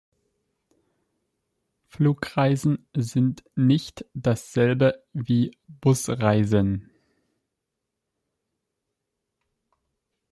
Flugreisen sind nicht dasselbe wie Busreisen.